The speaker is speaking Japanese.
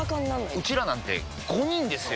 ウチらなんて５人ですよ！